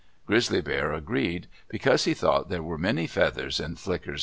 Grizzly Bear agreed, because he thought there were many feathers in Flicker's tail.